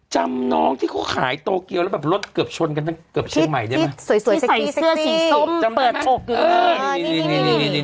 จำน้องที่เขาขายโตเกียลแล้วรถเกือบชนที่ใส่เสื้อสีส้มเปิดโหก